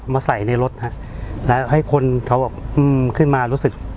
พี่ชอบจริงบอกว่าชอบทุก